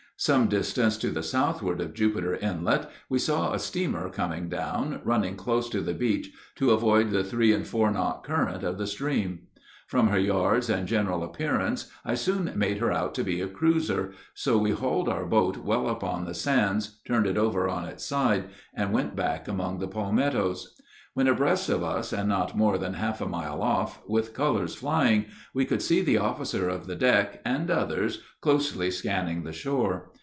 Some distance to the southward of Jupiter Inlet we saw a steamer coming down, running close to the beach to avoid the three and four knot current of the stream. From her yards and general appearance I soon made her out to be a cruiser, so we hauled our boat well up on the sands, turned it over on its side, and went back among the palmettos. When abreast of us and not more than half a mile off, with colors flying, we could see the officer of the deck and others closely scanning the shore.